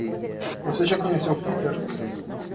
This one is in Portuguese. Você já conheceu Peter?